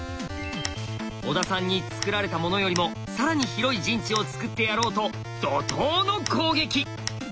小田さんにつくられたものよりも更に広い陣地をつくってやろうと怒とうの攻撃！